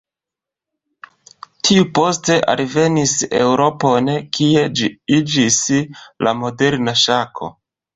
Tiu poste alvenis Eŭropon, kie ĝi iĝis la moderna Ŝako.